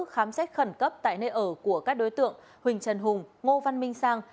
khám xét khẩn cấp tại nơi ở của các đối tượng huỳnh trần hùng ngô văn minh sang